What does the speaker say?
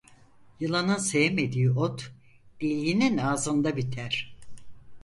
Yılanın sevmediği ot, deliğinin ağzında biter.